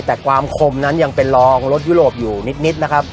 แต่ความคมนั้นยังเป็นรองรสยุโรปอยู่นิดนะครับ